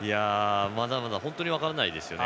まだまだ本当に分からないですね。